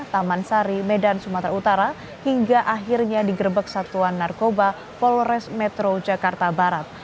taman sari medan sumatera utara hingga akhirnya digerebek satuan narkoba polres metro jakarta barat